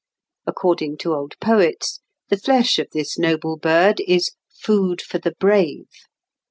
According to old poets the flesh of this noble bird is "food for the brave."